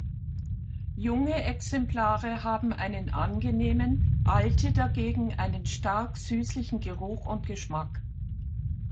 Junge Exemplare haben einen angenehmen, alte dagegen einen stark süßlichen Geruch und Geschmack.